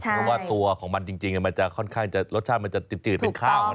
เพราะว่าตัวของมันจริงมันจะค่อนข้างจะรสชาติมันจะจืดเป็นข้าว